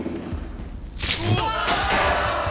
・うわ！